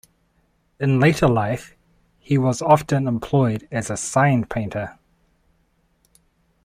In later life he was often employed as a sign painter.